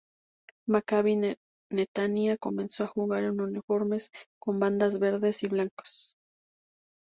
Maccabi Netanya comenzó a jugar en uniformes con bandas verdes y blancas.